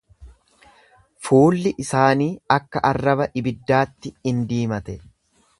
Fuulli isaanii akka arraba ibiddaatti in diimate.